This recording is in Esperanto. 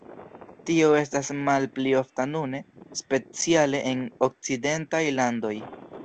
Tio estas malpli ofta nune, speciale en okcidentaj landoj.